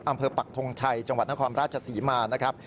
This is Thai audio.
ปักทงชัยจังหวัดนครราชศรีมานะครับ